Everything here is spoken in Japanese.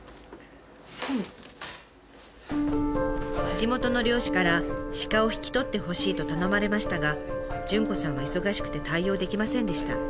地元の猟師から鹿を引き取ってほしいと頼まれましたが潤子さんは忙しくて対応できませんでした。